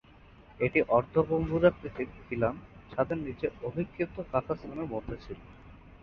এটি অর্ধগম্বুজাকৃতির খিলান ছাদের নিচে অভিক্ষিপ্ত ফাঁকাস্থানের মধ্যে ছিল।